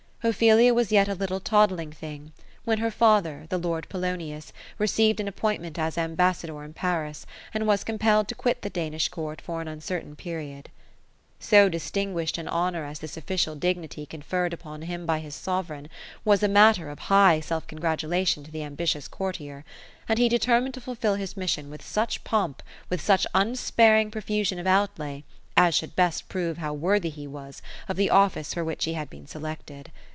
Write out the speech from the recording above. Ophelia was yet a little toddling thing, when her father, the lord Polonius, received an appointment as ambassa dor in Paris, and was compelled to quit the Danish court for an uncer tain period. So distinguished an honour, as this official dignity conferred upon him by his sovereign, was at matter of high self gratulation to the ambi tious courtier ; and he determined to fulfil his mission with such pomp, with such unsparing profusion of outlay, as should best prove how wor thy he was of the office for which he had been selected.